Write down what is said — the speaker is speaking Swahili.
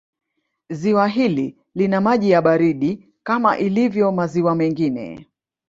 Ziwa hili lina maji ya baridi kama ilivyo maziwa mengine